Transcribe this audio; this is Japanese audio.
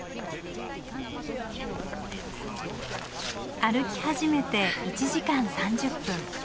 歩き始めて１時間３０分。